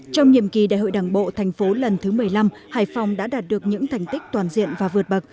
trong nhiệm kỳ đại hội đảng bộ thành phố lần thứ một mươi năm hải phòng đã đạt được những thành tích toàn diện và vượt bậc